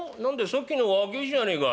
さっきの若い衆じゃねえか。